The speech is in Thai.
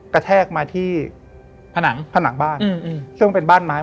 กระแทกมาที่ผนังบ้านซึ่งมันเป็นบ้านไม้